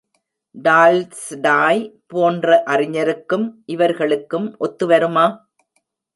Tolstoy போன்ற அறிஞருக்கும் இவர்களுக்கும் ஒத்துவருமா?